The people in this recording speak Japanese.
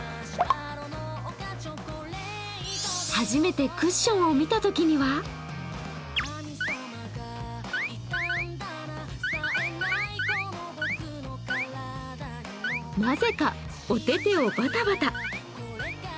初めてクッションを見たときにはなぜかお手手をバタバタ。